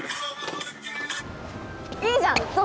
いいじゃん。